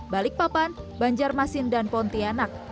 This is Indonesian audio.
balikpapan banjarmasin dan pontianak